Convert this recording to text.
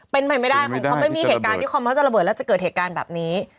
เป็นไปไม่ได้ของเขาไม่มีเหตุการณ์ที่คอมเขาจะระเบิดแล้วจะเกิดเหตุการณ์แบบนี้